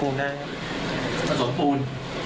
มาสมตูน